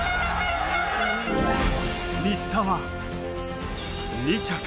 新田は、２着。